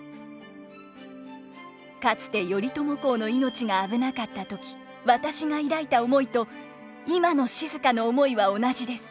「かつて頼朝公の命が危なかった時私が抱いた思いと今の静の思いは同じです。